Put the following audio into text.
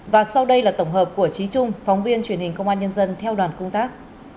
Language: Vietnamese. và sau đây là tổng hợp của trí trung phóng viên truyền hình công an nhân dân theo đoàn công tác